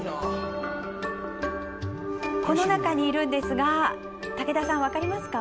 この中にいるんですが武田さん分かりますか？